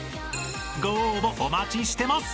［ご応募お待ちしてます！］